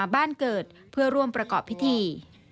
บ้านเกิดเพื่อร่วมประกอบพิธี